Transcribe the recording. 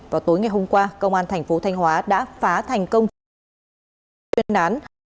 vào tối ngày hôm qua công an thành phố thanh hóa đã phá thành công chuyên án